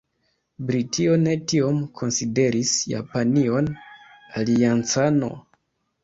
Britio ne tiom konsideris Japanion aliancano.